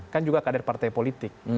kan juga kader partai politik